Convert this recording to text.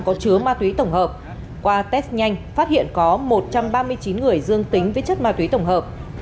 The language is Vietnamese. có chứa ma túy tổng hợp qua test nhanh phát hiện có một trăm ba mươi chín người dương tính với chất ma túy tổng hợp